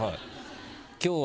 今日は。